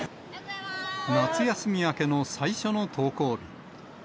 夏休み明けの最初の登校日。